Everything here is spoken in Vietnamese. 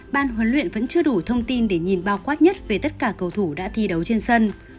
ban huấn luyện vẫn chưa đủ thông tin để nhìn bao quát nhất về tất cả cầu thủ đã thi đấu trên sân